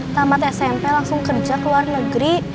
tamat smp langsung kerja ke luar negeri